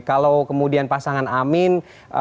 kalau kemudian pasangan amin